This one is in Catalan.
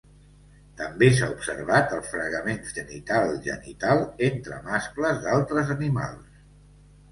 També s'ha observat el fregament genital-genital entre mascles d'altres animals.